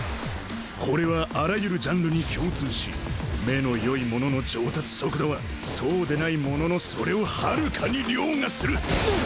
これはあらゆるジャンルに共通し目のよい者の上達速度はそうでない者のそれをはるかに凌駕する！